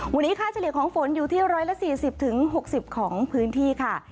วันนี้ค่าเฉลี่ยของฝนอยู่ที่๑๔๐๖๐ของพื้นที่ค่ะ